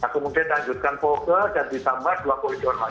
kemudian lanjutkan poker dan ditambah dua koridor lagi